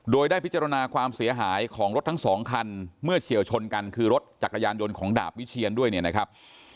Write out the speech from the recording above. โดยได้พิจารณาความเสียหายของรถทั้งสองคันเมื่อเฉียวชนกันคือรถจักรยานยนต์ของดาบวิเชียนด้วยเนี่ยนะครับ